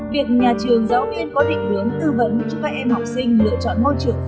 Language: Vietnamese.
việc nhà trường giáo viên có định hướng tư vấn cho các em học sinh lựa chọn môi trường